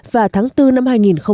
và tháng bốn năm hai nghìn một mươi bảy